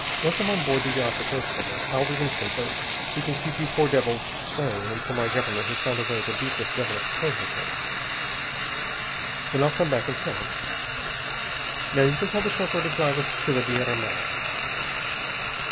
Once I'm on board the yacht that waits for me, I'll release him so he can keep you poor devils sane until my Government has found a way to beat this devilish poison of his. Then I'll come back and kill him. Now you can tell the chauffeur to drive us to the Biera Mar."